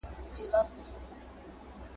تر اسمان لاندي تر مځکي شهنشاه یم ,